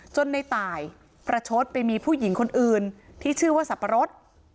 ในตายประชดไปมีผู้หญิงคนอื่นที่ชื่อว่าสับปะรด